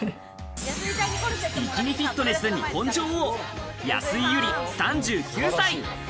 ビキニフィットネス日本女王、安井友梨、３９歳。